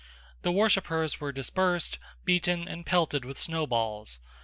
The worshippers were dispersed, beaten, and pelted with snowballs.